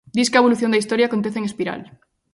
Disque a evolución da historia acontece en espiral.